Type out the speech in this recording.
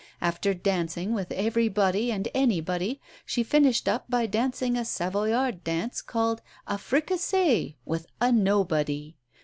After dancing with everybody and anybody, she finished up by dancing a Savoyard dance, called a fricassée, with a nobody.